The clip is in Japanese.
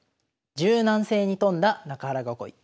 「柔軟性に富んだ中原囲い」。